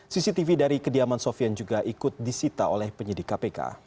cctv dari kediaman sofian juga ikut disita oleh penyidik kpk